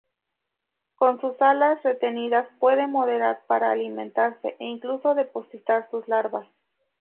Con sus alas retenidas, puede morder para alimentarse o incluso depositar sus larvas.